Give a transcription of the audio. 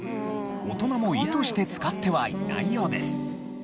大人も意図して使ってはいないようです。